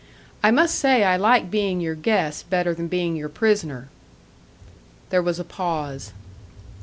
"I must say I like being your guest better than being your prisoner!" There was a pause.